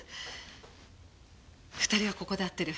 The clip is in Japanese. ２人はここで会ってる。